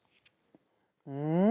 うん！